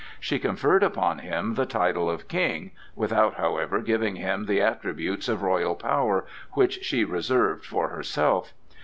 She conferred upon him the title of king, without, however, giving him the attributes of royal power, which she reserved for herself.